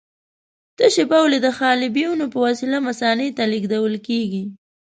تشې بولې د حالبیونو په وسیله مثانې ته لېږدول کېږي.